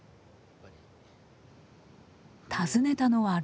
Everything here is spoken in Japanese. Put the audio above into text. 訪ねたのは６月。